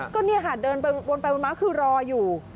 ก็เนี่ยค่ะเดินวนไปวนมาคือรออยู่